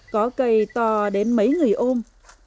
có cây to đến mấy người ôm